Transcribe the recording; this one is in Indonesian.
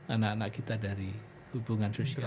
anak anak kita dari hubungan sosial